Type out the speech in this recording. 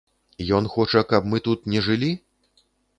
Ён хоча, каб мы тут не жылі?